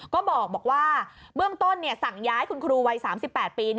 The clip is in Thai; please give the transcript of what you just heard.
ก็บอกว่าเบื้องต้นสั่งย้ายคุณครูวัย๓๘ปี